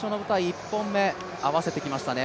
１本目、合わせてきましたね。